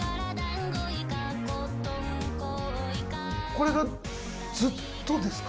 これがずっとですか？